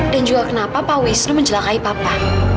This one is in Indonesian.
dan juga kenapa pak wisnu mencelakai papa